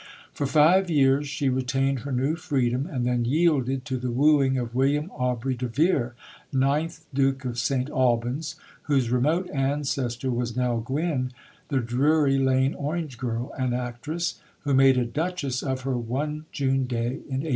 For five years she retained her new freedom, and then yielded to the wooing of William Aubrey de Vere, ninth Duke of St Albans (whose remote ancestor was Nell Gwynn, the Drury Lane orange girl and actress), who made a Duchess of her one June day in 1827.